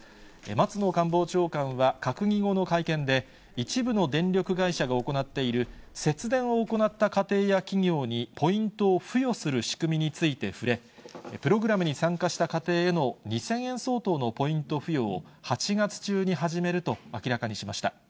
松野官房長官は、閣議後の会見で、一部の電力会社が行っている、節電を行った家庭や企業にポイントを付与する仕組みについて触れ、プログラムに参加した家庭への２０００円相当のポイントの付与を８月中に始めると明らかにしました。